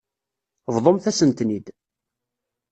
Bḍumt-asen-ten-id.